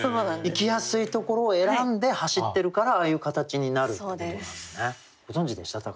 いきやすいところを選んで走ってるからああいう形になるということなんですね。